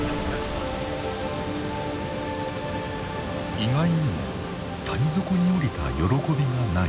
意外にも谷底に下りた喜びがない。